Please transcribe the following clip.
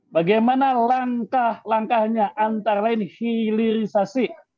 bagaimana langkah langkahnya antara lain hilirisasi